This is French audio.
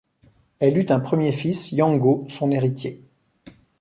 Elle eut un premier fils, Yango, son héritier.